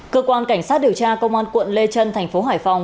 cơ quan cảnh sát điều tra công an quận lê trân thành phố hải phòng